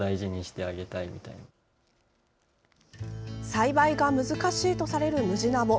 栽培が難しいとされるムジナモ。